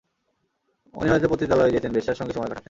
উনি হয়তো পতিতালয়ে যেতেন, বেশ্যার সাথে সময় কাটাতেন।